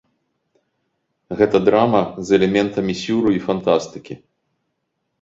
Гэта драма з элементамі сюру і фантастыкі.